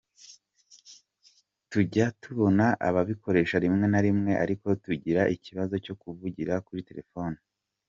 Tujya tubona ababikoresha rimwe na rimwe ariko tugira ikibazo cyo kuvugira kuri telefone”.